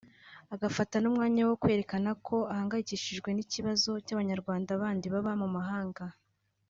agafata n’umwanya wo kwerekana ko ahangayikishijwe n’ikibazo cy’Abanyarwanda bandi baba mu mahanga